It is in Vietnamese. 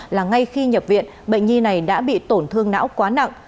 là ngay khi nhập viện bệnh nhi này đã bị tổn thương não quá nặng